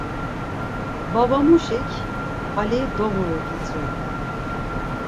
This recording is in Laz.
Babamuşik 'Ali doğuru' gitzui?